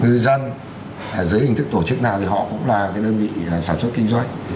ngư dân dưới hình thức tổ chức nào thì họ cũng là cái đơn vị sản xuất kinh doanh